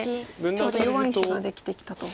ちょっと弱い石ができてきたと。